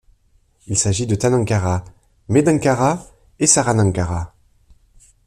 Il s’agit de Tanhankara, Medhankara et Saranankara.